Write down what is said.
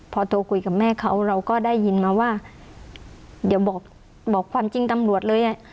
พอโทรคุยกับแม่เขาเราก็ได้ยินมาว่าเดี๋ยวบอกบอกความจริงตำรวจเลยอ่ะ